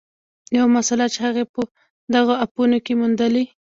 یوه مسله چې هغې په دغو اپونو کې موندلې